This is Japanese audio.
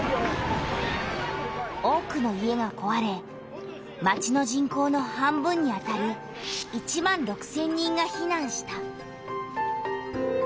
多くの家がこわれ町の人口の半分にあたる１万６千人がひなんした。